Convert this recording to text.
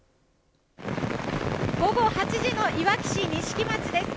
午後８時のいわき市錦町です。